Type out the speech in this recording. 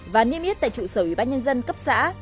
và niêm yết tại trụ sở ủy ban nhân dân cấp xã